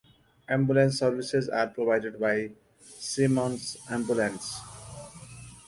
Ambulance services are provided by Symons Ambulance.